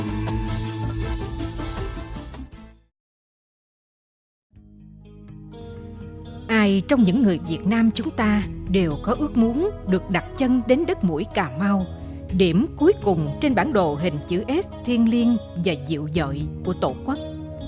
ngày trong những người việt nam chúng ta đều có ước muốn được đặt chân đến đất mũi cà mau điểm cuối cùng trên bản đồ hình chữ s thiên liêng và dịu dợi của tổ quốc